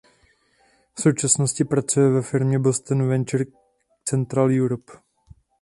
V současnosti pracuje ve firmě Boston Venture Central Europe.